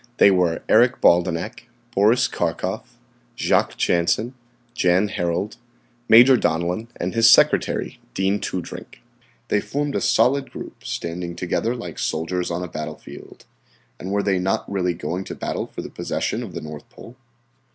They were Eric Baldenak, Boris Karkof Jacques Jansen, Jan Harald, Major Donellan and his secretary, Dean Toodrink. They formed a solid group, standing together like soldiers on a battle field. And were they not really going to battle for the possession of the North Pole?